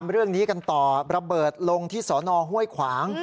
เรื่องนี้กันต่อระเบิดลงที่สอนอห้วยขวาง